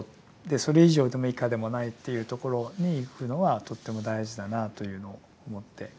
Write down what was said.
それ以上でも以下でもないというところにいくのはとっても大事だなというのを思って。